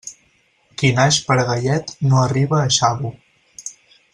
Qui naix per a gallet no arriba a xavo.